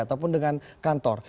ataupun dengan kantor